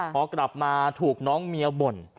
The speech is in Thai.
พอกลับมาถูกน้องเมียบ่น